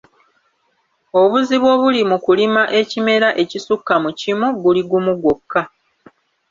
Obuzibu obuli mu kulima ekimera ekisukka mu kimu guli gumu gwokka.